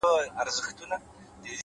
صبر د بریا د لارې رفیق دی,